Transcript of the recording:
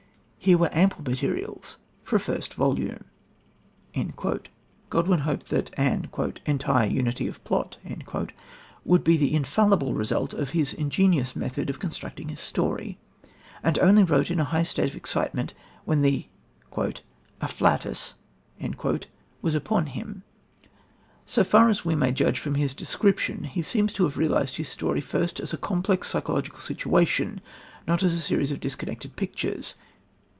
Here were ample materials for a first volume." Godwin hoped that an "entire unity of plot" would be the infallible result of this ingenious method of constructing his story, and only wrote in a high state of excitement when the "afflatus" was upon him. So far as we may judge from his description, he seems to have realised his story first as a complex psychological situation, not as a series of disconnected pictures.